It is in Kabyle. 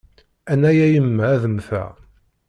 Annaɣ a yemma ad mmteɣ.